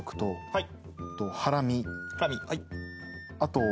はい。